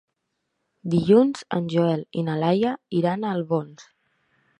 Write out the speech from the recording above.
Dilluns en Joel i na Laia iran a Albons.